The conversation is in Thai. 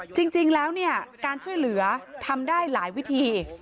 จริงแล้วการช่วยเหลือทำได้หลายวิธี